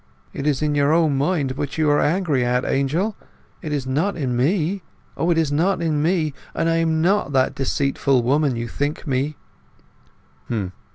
It is in your own mind what you are angry at, Angel; it is not in me. O, it is not in me, and I am not that deceitful woman you think me!"